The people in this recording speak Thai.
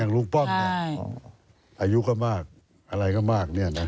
อย่างลุงป้องอายุก็มากอะไรก็มากเนี่ยนะ